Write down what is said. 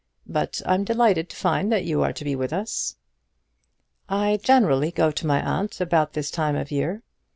But I'm delighted to find that you are to be with us." "I generally go to my aunt about this time of the year."